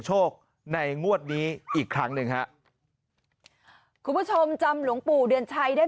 โชคในงวดนี้อีกครั้งหนึ่งฮะคุณผู้ชมจำหลวงปู่เดือนชัยได้ไหม